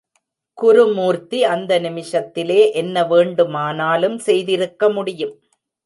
குருமூர்த்தி அந்த நிமிஷத்திலே என்ன வேண்டுமானாலும் செய்திருக்க முடியும்.